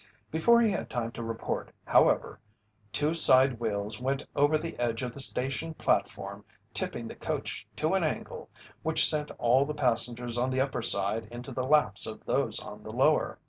Before he had time to report, however, two side wheels went over the edge of the station platform, tipping the coach to an angle which sent all the passengers on the upper side into the laps of those on the lower.